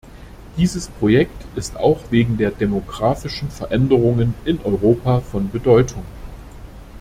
Dieses Projekt ist auch wegen der demografischen Veränderungen in Europa von Bedeutung.